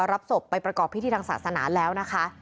รับศพไปประกอบพิธีทางศาสนาแล้วนะคะ